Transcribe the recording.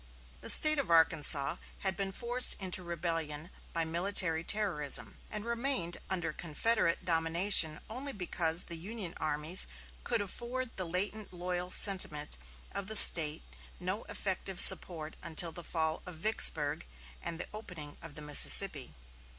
The State of Arkansas had been forced into rebellion by military terrorism, and remained under Confederate domination only because the Union armies could afford the latent loyal sentiment of the State no effective support until the fall of Vicksburg and the opening of the Mississippi.